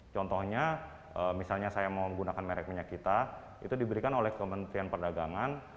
contohnya misalnya saya mau menggunakan merek minyak kita itu diberikan oleh kementerian perdagangan